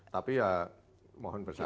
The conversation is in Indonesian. tapi ya mohon bersabar